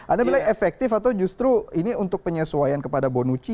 anda bilang efektif atau justru ini untuk penyesuaian kepada bonucci